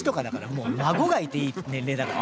もう孫がいていい年齢だから。